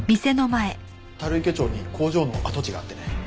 樽池町に工場の跡地があってね